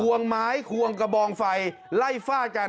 ควงไม้ควงกระบองไฟไล่ฝ้ายน